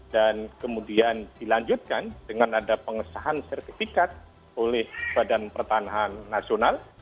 dan kemudian dilanjutkan dengan ada pengesahan sertifikat oleh badan pertahanan nasional